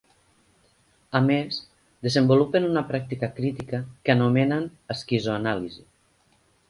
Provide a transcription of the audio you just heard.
A més, desenvolupen una pràctica crítica que anomenen esquizo-anàlisi.